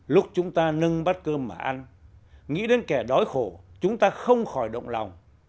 lúc chúng ta nâng bắt cơm mà ăn nghĩ đến kẻ đói khổ chúng ta không khỏi động lòng